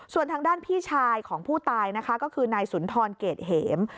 ส่วนทางด้านพี่ชายของผู้ตายนะคะก็คือนายสุนทรเกรดเหม